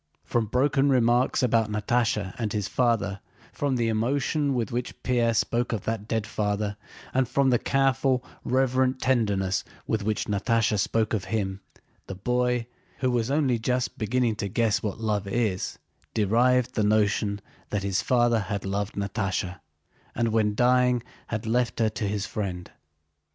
From broken remarks about Natásha and his father, from the emotion with which Pierre spoke of that dead father, and from the careful, reverent tenderness with which Natásha spoke of him, the boy, who was only just beginning to guess what love is, derived the notion that his father had loved Natásha and when dying had left her to his friend.